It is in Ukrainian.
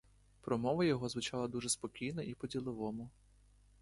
Промова його звучала дуже спокійно й по-діловому.